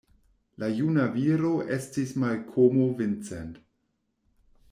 La juna viro estis Malkomo Vincent.